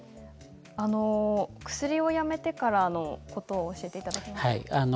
薬をやめてからのことを教えていただけますか？